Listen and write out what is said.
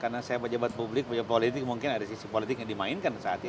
karena saya pejabat publik pejabat politik mungkin ada sisi politik yang dimainkan saat itu